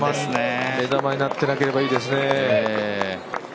目玉になってなければいいですね。